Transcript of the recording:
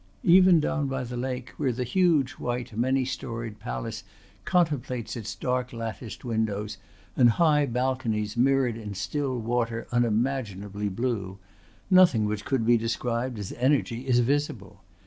Even down by the lake, where the huge white many storeyed palace contemplates its dark latticed windows and high balconies mirrored in still water unimaginably blue nothing which could be described as energy is visible.